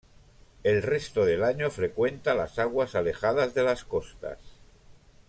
El resto del año frecuente las aguas alejadas de las costas.